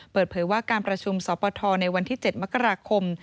เปิดเผยว่าการประชุมสปทในวันที่๗มกราคม